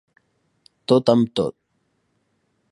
Tot amb tot.